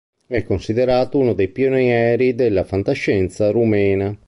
È considerato uno dei pionieri della fantascienza rumena.